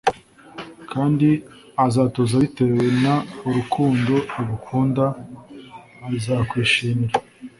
kandi azatuza bitewe n urukundo agukunda Azakwishimira